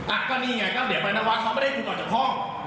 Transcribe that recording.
อ่าก็นี่ไงก็เดี๋ยวไปนักวัฒน์เขาไม่ได้ดุเกาะจากห้อง